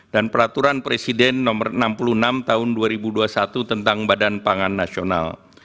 dan peraturan presiden no enam puluh enam tahun dua ribu dua puluh satu tentang badan pangan nasional